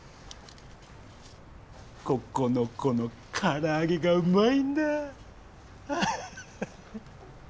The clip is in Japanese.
ここのこのから揚げがうまいんだ。